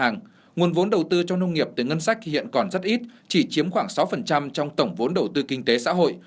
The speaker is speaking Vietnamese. nguồn vốn đầu tư cho nông nghiệp từ ngân sách hiện còn rất ít chỉ chiếm khoảng sáu trong tổng vốn đầu tư kinh tế xã hội